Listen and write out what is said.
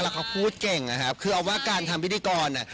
แล้วเขาพูดเก่งนะครับคือเอาว่าการทำพิธีกร